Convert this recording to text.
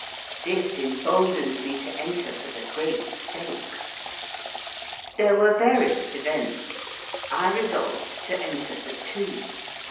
This emboldened me to enter for the great stakes. There were various events. I resolved to enter for two.